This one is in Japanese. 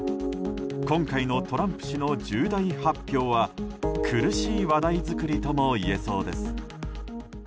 今回のトランプ氏の重大発表は苦しい話題作りともいえそうです。